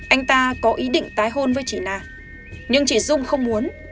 anh ta có ý định tái hôn với chị na nhưng chị dung không muốn